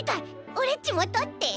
オレっちもとって。